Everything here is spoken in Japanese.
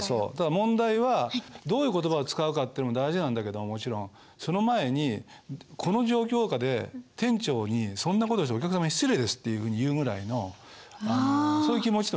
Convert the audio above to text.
問題はどういう言葉を使うかってのも大事なんだけどもちろんその前にこの状況下で店長に「そんな事してお客様に失礼です」っていうふうに言うぐらいのそういう気持ちも非常に重要なんです。